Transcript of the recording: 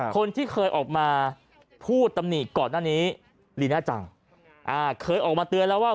คนที่เคยออกมาพูดตำหนิก่อนหน้านี้ลีน่าจังอ่าเคยออกมาเตือนแล้วว่า